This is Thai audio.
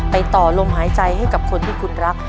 ต่อลมหายใจให้กับคนที่คุณรัก